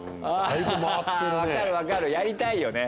分かる分かるやりたいよね。